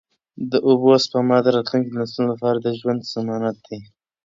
د اوبو سپما د راتلونکو نسلونو لپاره د ژوند ضمانت دی.